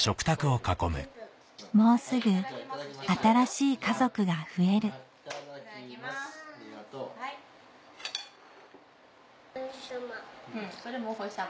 もうすぐ新しい家族が増えるお星さま。